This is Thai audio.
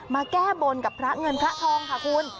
แก้บนกับพระเงินพระทองค่ะคุณ